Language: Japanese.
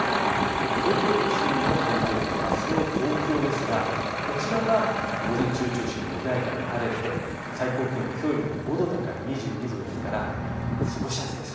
東京都心のポイント予報、あすの東京ですが、こちらは午前中中心に穏やかに晴れて最高気温、きょうよりも高い２２度ですから過ごしやすいです。